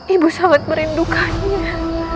ibu sangat merindukannya